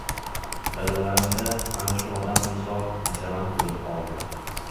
Dalalarim-da ana shu odam misol nashavand bo‘lib qoldi.